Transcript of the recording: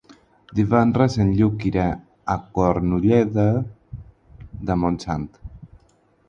Divendres en Lluc irà a Cornudella de Montsant.